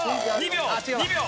２秒２秒。